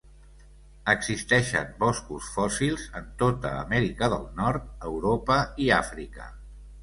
Existeixen boscos fòssils en tota Amèrica del Nord, Europa i Àfrica.